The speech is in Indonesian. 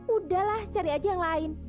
udahlah cari aja yang lain